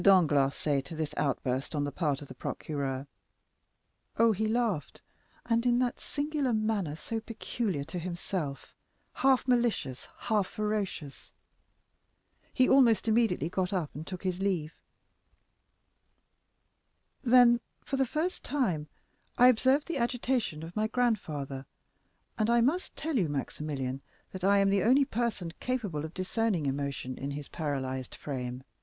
Danglars say to this outburst on the part of the procureur?" "Oh, he laughed, and in that singular manner so peculiar to himself—half malicious, half ferocious; he almost immediately got up and took his leave; then, for the first time, I observed the agitation of my grandfather, and I must tell you, Maximilian, that I am the only person capable of discerning emotion in his paralyzed frame.